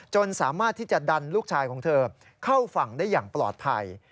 สามารถที่จะดันลูกชายของเธอเข้าฝั่งได้อย่างปลอดภัย